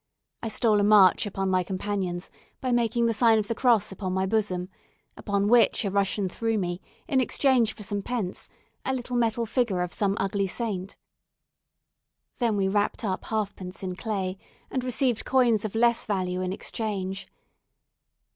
I stole a march upon my companions by making the sign of the cross upon my bosom, upon which a Russian threw me, in exchange for some pence, a little metal figure of some ugly saint. Then we wrapped up halfpence in clay, and received coins of less value in exchange.